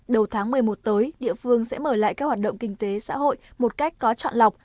đầu tháng một mươi một tới địa phương sẽ mở lại các hoạt động kinh tế xã hội một cách có trọn lọc